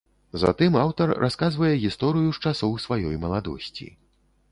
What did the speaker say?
Затым аўтар расказвае гісторыю з часоў сваёй маладосці.